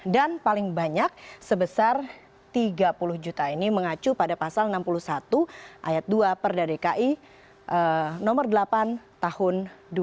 dan paling banyak sebesar rp tiga puluh juta ini mengacu pada pasal enam puluh satu ayat dua perda dki nomor delapan tahun dua ribu tujuh